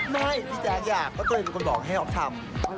ไม่จ้านอยากเพราะตัวเองเป็นคนร้องให้ออฟทำ